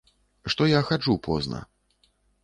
Што я хаджу позна.